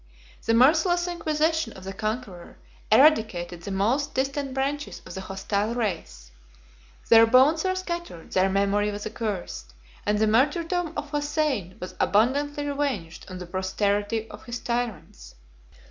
The merciless inquisition of the conqueror eradicated the most distant branches of the hostile race: their bones were scattered, their memory was accursed, and the martyrdom of Hossein was abundantly revenged on the posterity of his tyrants.